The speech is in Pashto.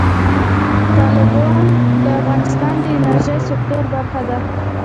تالابونه د افغانستان د انرژۍ سکتور برخه ده.